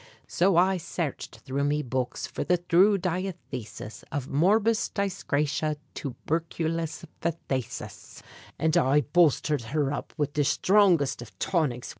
So I sairched through me books for the thrue diathesis Of morbus dyscrasia tuburculous phthasis; And I boulsthered her up wid the shtrongest av tonics.